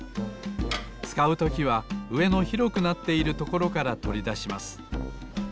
つかうときはうえの広くなっているところからとりだします。